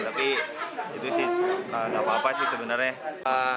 tapi itu sih nggak apa apa sih sebenarnya